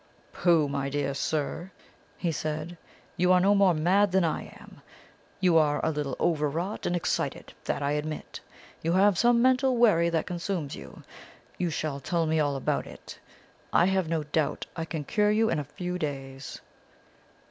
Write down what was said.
"'Pooh, my dear sir!' he said; 'you are no more mad than I am. You are a little overwrought and excited that I admit. You have some mental worry that consumes you. You shall tell me all about it. I have no doubt I can cure you in a few days.'